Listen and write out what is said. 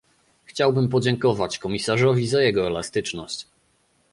Chciałbym podziękować komisarzowi za jego elastyczność